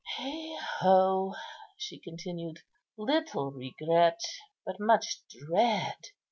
"Heigho!" she continued, "little regret, but much dread.